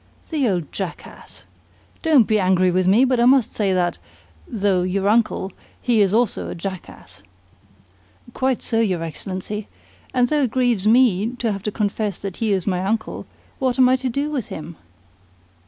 "The old jackass! Don't be angry with me, but I must say that, though your uncle, he is also a jackass." "Quite so, your Excellency. And though it grieves ME to have to confess that he is my uncle, what am I to do with him?"